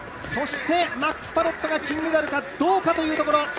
そして、マックス・パロットが金メダルかどうかというところ。